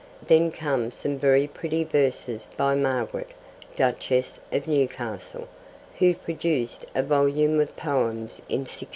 Then come some very pretty verses by Margaret, Duchess of Newcastle, who produced a volume of poems in 1653.